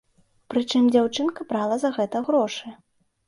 Прычым дзяўчынка брала за гэта грошы.